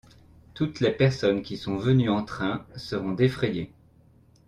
Toutes les personnes qui sont venus en train seront défrayées.